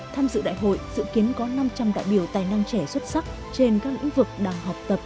tham dự đại hội dự kiến có năm trăm linh đại biểu tài năng trẻ xuất sắc trên các lĩnh vực đang học tập